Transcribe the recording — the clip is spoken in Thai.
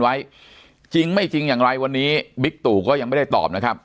ไว้จริงไม่จริงอย่างไรวันนี้บิ๊กตู่ก็ยังไม่ได้ตอบนะครับ